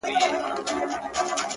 چي دا مي څرنگه او چاته سجده وکړه!!